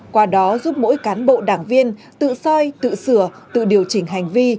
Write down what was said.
qua đó giúp mỗi cán bộ đảng viên tự soi tự sửa tự điều chỉnh hành vi